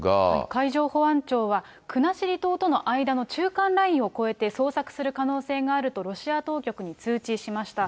海上保安庁は、国後島との間の中間ラインを越えて、捜索する可能性があると、ロシア当局に通知しました。